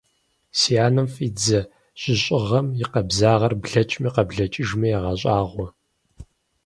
Си анэм фӏидзэ жьыщӏыгъэм и къабзагъыр блэкӏми къыблэкӏыжми ягъэщӏагъуэ!